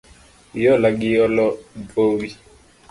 Hiola gi olo gowi.